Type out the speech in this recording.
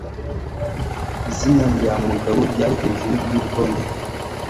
Izina rya Mugabo ryari hejuru yurutonde.